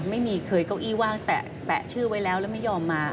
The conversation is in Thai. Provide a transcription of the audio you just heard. ไม่เคยเก้าอี้ว่างแปะชื่อไว้แล้วแล้วไม่ยอมมา